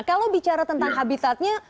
kalau bicara tentang habitatnya